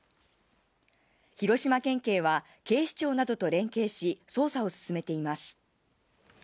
広島県警は、警視庁などと連携し、捜査を進めています。